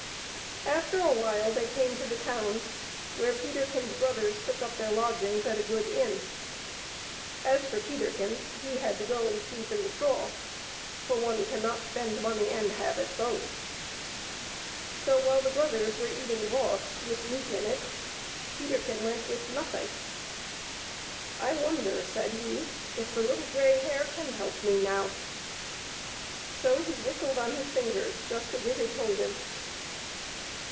After a while they came to the town, where Peterkin's brothers took up their lodgings at a good inn. As for Peterkin, he had to go and sleep in the straw, for one cannot spend money and have it both. So while the brothers were eating broth with meat in it, Peterkin went with nothing. " I wonder," said he, " if the Little Grey Hare can help me now." So he whistled on his fingers, just as it had told him.